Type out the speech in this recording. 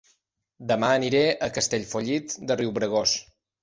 Dema aniré a Castellfollit de Riubregós